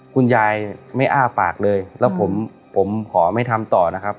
คุณยายไม่อ้าปากเลยแล้วผมขอไม่ทำต่อนะครับ